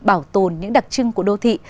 bảo tồn những đặc trưng của đô thị